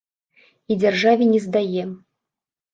І дзяржаве не здае.